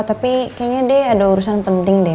tapi kayaknya deh ada urusan penting deh